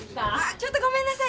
ちょっとごめんなさい